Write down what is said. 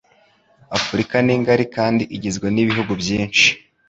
Afurika ni ngari kandi igizwe n’ibihugu byinshi